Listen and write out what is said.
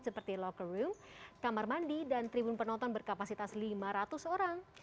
seperti local room kamar mandi dan tribun penonton berkapasitas lima ratus orang